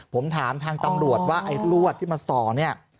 ผมถามทางตำรวจว่าไอ้ลวดที่มาส่อเนี่ย